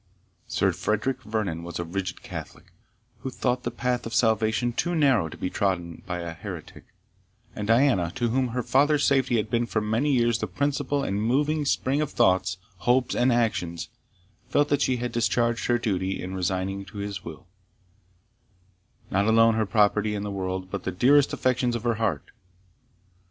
Sir Frederick Vernon was a rigid Catholic, who thought the path of salvation too narrow to be trodden by an heretic; and Diana, to whom her father's safety had been for many years the principal and moving spring of thoughts, hopes, and actions, felt that she had discharged her duty in resigning to his will, not alone her property in the world, but the dearest affections of her heart.